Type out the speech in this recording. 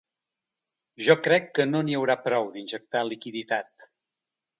Jo crec que no n’hi haurà prou d’injectar liquiditat.